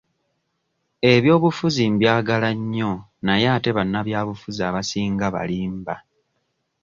Ebyobufuzi mbyagala nnyo naye ate bannabyabufuzi abasinga balimba.